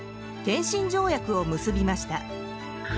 天津条約を結びました。